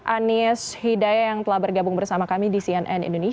anies hidayah yang telah bergabung bersama kami di cnn indonesia